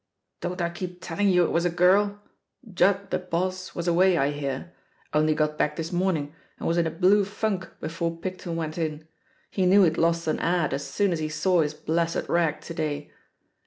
'* Don't I keep telling you it was a girl? Judd, Uie boss, was away, I hear. Only got back thisi morning, and was in a blue funk before Picton fwent in; he knew he'd lost an ad as soon as he saw his blessed rag to day.